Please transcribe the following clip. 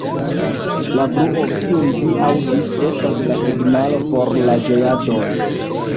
La bruo, kiun vi aŭdis, estas la signalo por la ĝojadoj.